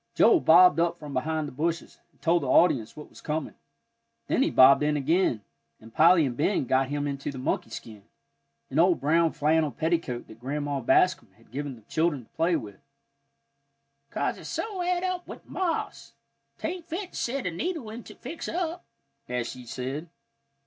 Joel bobbed out from behind the bushes, and told the audience what was coming; then he bobbed in again, and Polly and Ben got him into the monkey skin, an old brown flannel petticoat that Grandma Bascom had given the children to play with, "'Cause it's so et up with moths, 'tain't fit to set a needle into to fix up," as she said.